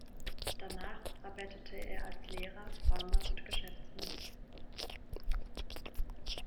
Danach arbeitete er als Lehrer, Farmer und Geschäftsmann.